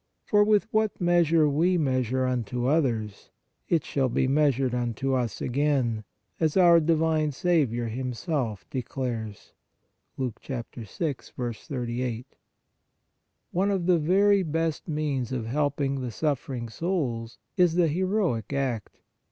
For with what measure we measure unto others, it shall be measured unto us again, as our divine Saviour Him self declares (Luke 6. 38). One of the very best means of helping the suffering souls is the Heroic Act.